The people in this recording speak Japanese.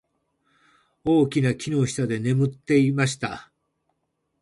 大きな木の下で眠っていました。